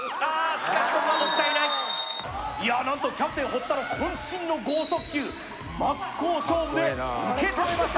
しかしここはいや何とキャプテン堀田の渾身の豪速球真っ向勝負で受け止めました